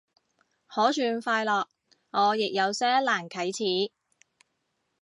可算快樂，我亦有些難啟齒